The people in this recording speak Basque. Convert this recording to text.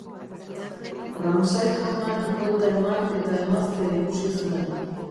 Ramsay jaunak buelta eman eta emaztea ikusi zuen.